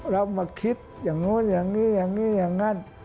เรามาคิดอย่างนู้นอย่างนี้อย่างนี้อย่างนั้น